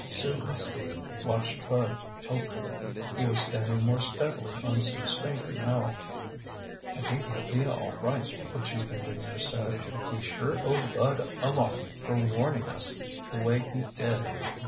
Sue and Steve watched Bud hopefully. He was standing more steadily on Sue's finger now. "I think he'll be all right," the chief engineer said. "We sure owe Bud a lot for warning us the way he did.